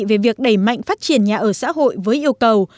về việc đẩy mạnh phát triển nhà ở xã hội với yêu cầu